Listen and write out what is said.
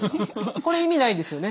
これ意味ないですよね。